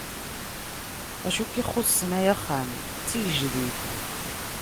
Acu k-ixuṣṣen ay axxam? D tigejdit.